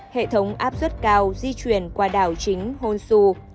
hệ thống áp suất cao di chuyển qua đảo chính honsu